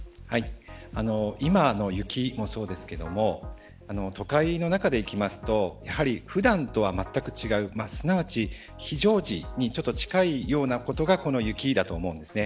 今の雪もそうですが都会の中でいきますとやはり、普段とはまったく違うすなわち非常時に近いようなことがこの雪だと思います。